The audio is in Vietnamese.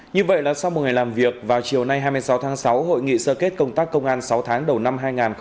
như vậy là sau một ngày làm việc vào chiều nay hai mươi sáu tháng sáu hội nghị sơ kết công tác công an sáu tháng đầu năm hai nghìn hai mươi ba